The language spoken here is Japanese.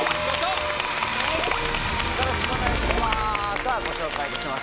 よろしくお願いします